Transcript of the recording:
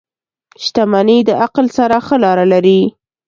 • شتمني د عقل سره ښه لاره لري.